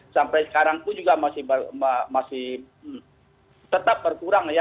sampai sekarang pun juga masih tetap berkurang ya